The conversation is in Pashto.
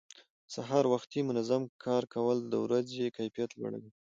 سهار وختي منظم کار کول د ورځې کیفیت لوړوي